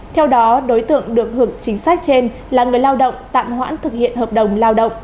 theo đó đối tượng được hưởng chính sách trên là người lao động tạm hoãn thực hiện hợp đồng lao động